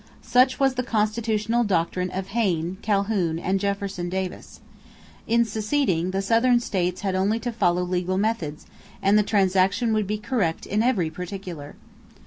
Such was the constitutional doctrine of Hayne, Calhoun, and Jefferson Davis. In seceding, the Southern states had only to follow legal methods, and the transaction would be correct in every particular.